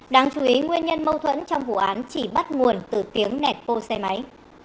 đáng chú ý nguyên nhân mâu thuẫn trong vụ án chỉ bắt nguồn từ tiếng nẹt bô xe máy